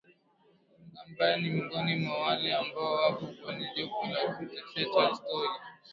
burat ambaye ni miongoni mwa wale ambao wapo kwenye jopo la kumtetea charles taylor